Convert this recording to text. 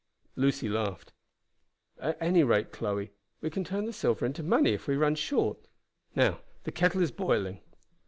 Lucy laughed. "At any rate, Chloe, we can turn the silver into money if we run short. Now the kettle is boiling."